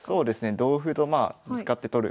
同歩とまあぶつかって取る。